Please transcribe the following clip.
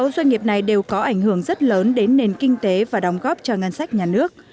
sáu doanh nghiệp này đều có ảnh hưởng rất lớn đến nền kinh tế và đóng góp cho ngân sách nhà nước